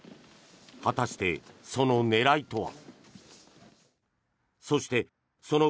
果たして、その狙いとは。